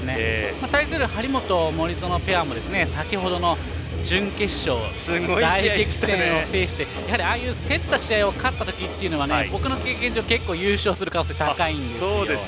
対する張本、森薗ペアも先ほどの準決勝大激戦を制してああいう競った試合を勝った時というのは僕の経験上、優勝する可能性、高いんです。